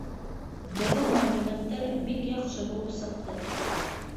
Беҙҙең мәғлүмәттәр бик яҡшы булып сыҡты.